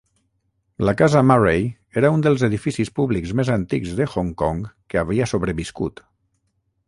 La casa Murray era un dels edificis públics més antics de Hong Kong que havia sobreviscut.